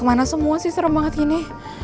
kemana semua sih serem banget ini